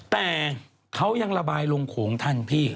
แต่เขายังระบายลงโขงทันพี่